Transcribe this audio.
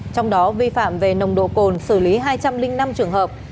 trong đó vi phạm về nồng độ cồn xử lý hai trăm linh năm trường hợp